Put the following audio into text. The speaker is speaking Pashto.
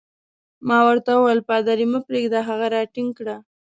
ما ورته وویل: پادري مه پرېږده، هغه راټینګ کړه.